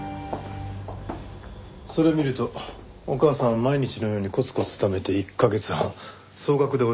それ見るとお母さん毎日のようにコツコツためて１カ月半総額でおよそ６億。